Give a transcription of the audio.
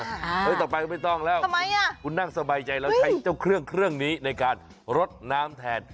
เฮ้ยต่อไปไม่ต้องแล้วคุณนั่งสบายใจแล้วใช้เจ้าเครื่องนี้ในการรสน้ำแทน